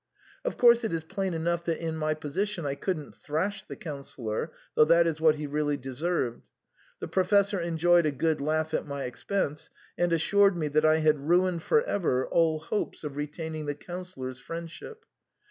Of course it is plain enough that in my position I couldn't thrash the Councillor, though that is what he really deserved. The Professor enjoyed a good laugh at my expense, and assured me that I had ruined for ever all hopes of retaining the Councillor's friendship.